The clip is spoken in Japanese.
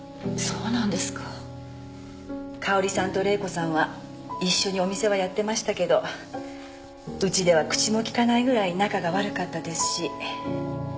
香織さんと玲子さんは一緒にお店はやってましたけどうちでは口も利かないぐらい仲が悪かったですし。